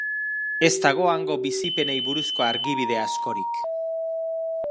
Ez dago hango bizipenei buruzko argibide askorik.